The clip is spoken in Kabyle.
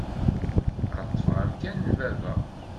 Ad ṭṭfeɣ amkan n baba.